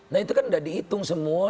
nah itu kan tidak dihitung semua